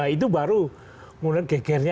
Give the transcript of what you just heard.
itu baru kemudian gegernya